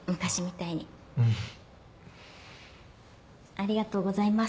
ありがとうございます。